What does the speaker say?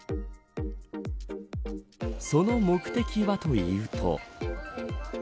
その目的はというと。